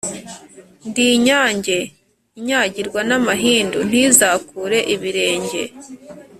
ndi inyange inyagirwa n'amahindu ntizakure ibirenge,